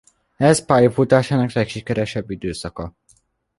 Ez pályafutásának legsikeresebb időszaka.